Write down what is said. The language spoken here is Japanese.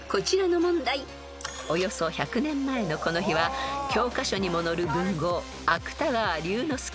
［およそ１００年前のこの日は教科書にも載る文豪］